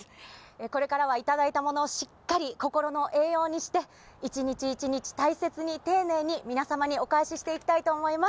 これからはいただいたものをしっかり心の栄養にして、一日一日大切に丁寧に皆様にお返ししていきたいと思います。